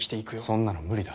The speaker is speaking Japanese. そんなの無理だ。